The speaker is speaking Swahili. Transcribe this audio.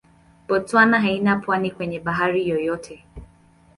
Botswana haina pwani kwenye bahari yoyote.